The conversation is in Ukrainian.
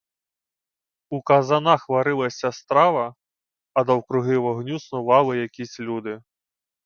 У казанах варилася страва, а довкруги вогню снували якісь люди.